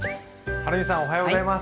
はるみさんおはようございます。